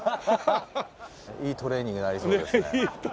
いいトレーニングになりそうですね。